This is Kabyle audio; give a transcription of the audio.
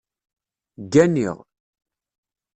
Gganiɣ